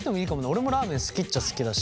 俺もラーメン好きっちゃ好きだし。